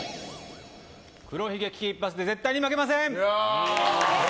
黒ひげ危機一発で絶対に負けません！